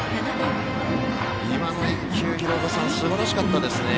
今の１球、すばらしかったですね。